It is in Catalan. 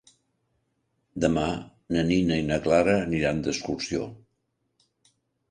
Demà na Nina i na Clara aniran d'excursió.